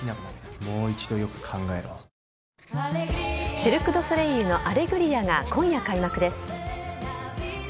シルク・ドゥ・ソレイユのアレグリアが今夜開幕です。